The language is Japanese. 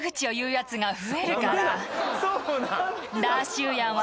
そうなん？